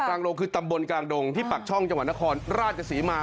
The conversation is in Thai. กลางดงคือตำบลกลางดงที่ปากช่องจังหวัดนครราชศรีมา